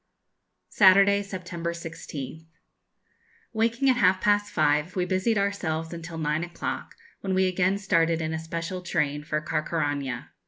_ Saturday, September 16th. Waking at half past five, we busied ourselves until nine o'clock, when we again started in a special train for Carcaraña.